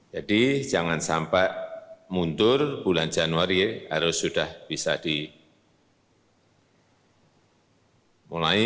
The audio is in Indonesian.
jadi jangan sampai muntur bulan januari harus sudah bisa dimulai